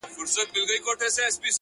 ستا د ښايست پکي محشر دی زما زړه پر لمبو